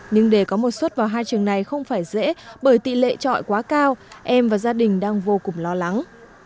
nhưng để có một suất vào hai trường này không phải dễ bởi tỷ lệ trọi quá cao em và gia đình đang vô cùng lo lắng